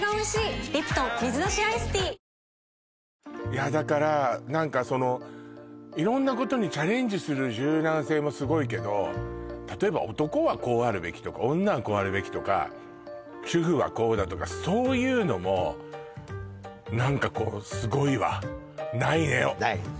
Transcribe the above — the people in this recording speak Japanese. いやだから何かその色んなことにチャレンジする柔軟性もすごいけど例えば男はこうあるべきとか女はこうあるべきとか主婦はこうだとかそういうのも何かこうすごいわないねない